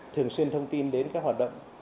thường xuyên thông tin đến các hoạt động